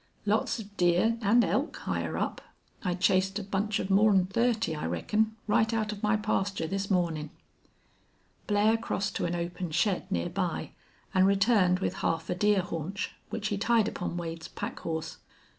"Lots of deer an' elk higher up. I chased a bunch of more'n thirty, I reckon, right out of my pasture this mornin'." Blair crossed to an open shed near by and returned with half a deer haunch, which he tied upon Wade's pack horse.